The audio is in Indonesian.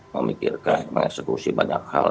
memikirkan mengeksekusi banyak hal